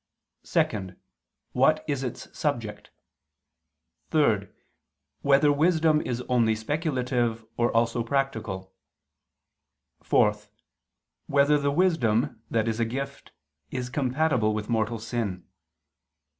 (2) What is its subject? (3) Whether wisdom is only speculative or also practical? (4) Whether the wisdom that is a gift is compatible with mortal sin?